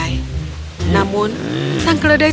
kita akan mencari